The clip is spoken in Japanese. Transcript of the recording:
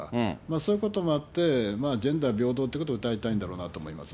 そういうこともあって、ジェンダー平等ということをうたいたいんだろうなと思います。